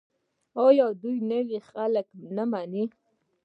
آیا دوی نوي خلک نه مني؟